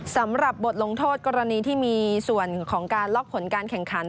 สำหรับบทลงโทษกรณีที่มีส่วนของการล็อกผลการแข่งขัน